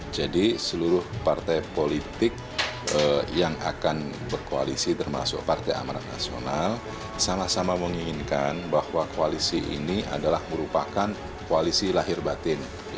jadi seluruh partai politik yang akan berkoalisi termasuk partai amaran nasional sama sama menginginkan bahwa koalisi ini adalah merupakan koalisi lahir batin